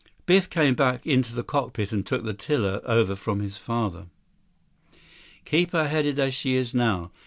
Biff came into the cockpit and took the tiller over from his father. "Keep her headed as she is now.